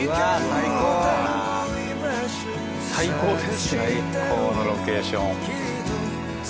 最高のロケーション。